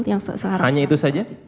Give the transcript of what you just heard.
yang seharusnya hanya itu saja